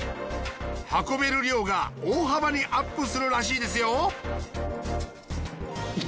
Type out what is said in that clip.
運べる量が大幅にアップするらしいですよ